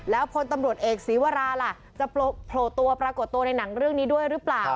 แล้วพลตำรวจเอกศีวราล่ะจะโผล่ตัวปรากฏตัวในหนังเรื่องนี้ด้วยหรือเปล่า